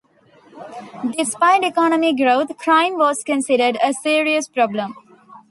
Despite economic growth, crime was considered a serious problem.